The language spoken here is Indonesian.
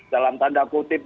dalam tanda kutip